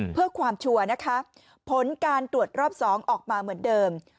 เพื่อความชัวร์นะคะผลการตรวจรอบ๒ออกมาเหมือนเดิม